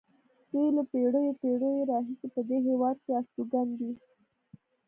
دوی له پېړیو پېړیو راهیسې په دې هېواد کې استوګن دي.